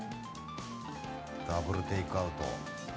ダブル・テイクアウト。